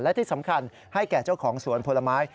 และที่สำคัญให้แก่เจ้าของสวนผลไม้